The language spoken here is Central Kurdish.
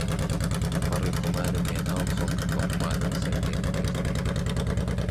پەڕی قومارم هێناو خەڵکم بە قومارەوە سەرگەرم کرد